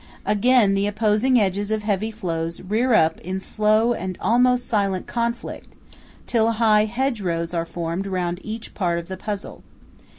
Again the opposing edges of heavy floes rear up in slow and almost silent conflict, till high "hedgerows" are formed round each part of the puzzle.